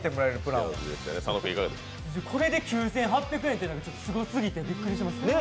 これで９８００円っていうのがすごすぎてびっくりしてます。